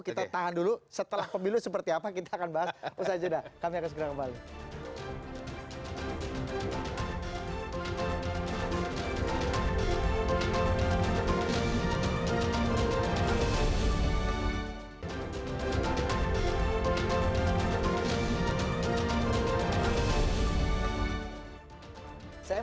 kita tahan dulu setelah pemilu seperti apa kita akan bahas